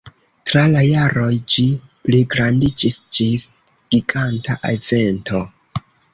Tra la jaroj ĝi pligrandiĝis ĝis giganta evento.